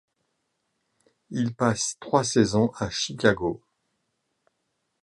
Il passe trois saisons à Chicago.